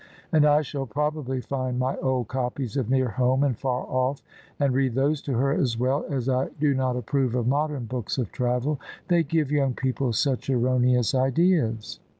And I shall probably find my old copies of Near Home and Far Off, and read those to her as well, as I do not approve of modem books of travel: they give young people such erroneous ideas.